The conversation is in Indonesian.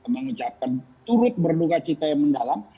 mengucapkan turut berduka cita yang mendalam